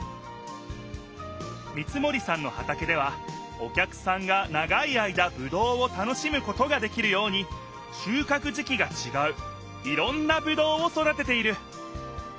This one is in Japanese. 三森さんの畑ではお客さんが長い間ぶどうを楽しむことができるようにしゅうかく時期がちがういろんなぶどうを育てている。